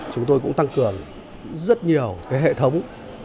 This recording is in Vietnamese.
chúng tôi cũng tăng cường rất nhiều hệ thống